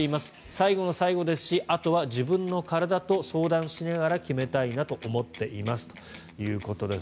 最後の最後ですしあとは自分の体と相談しながら決めたいなと思っていますということです。